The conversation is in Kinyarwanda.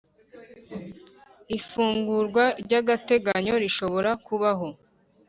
Ifungurwa ry ‘agateganyo rishobora kubaho.